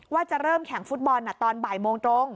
ว่าจะเริ่มแข่งฟุตบอลตอนบ่ายโมงตรง